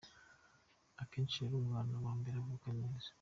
Akenshi rero umwana wa mbere avuka neza.